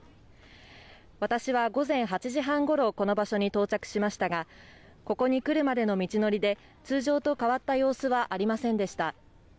私は午前８時半ごろ、この場所に到着しましたが、ここに来るまでの道のりで、通常と変わった様子はありませんでした。